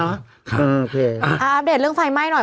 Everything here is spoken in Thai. อัปเดตเรื่องไฟไหม้หน่อย